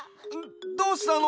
どうしたの？